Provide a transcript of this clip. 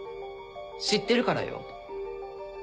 知ってるからよ。